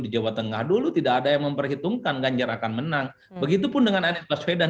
di jawa tengah dulu tidak ada yang memperhitungkan ganjar akan menang begitupun dengan anies baswedan